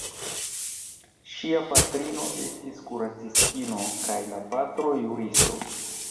Ŝia patrino estis kuracistino kaj la patro juristo.